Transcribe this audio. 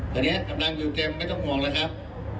ตอนนี้ตามลงอยู่เต็มไม่ต้องหัวหล่ะครับ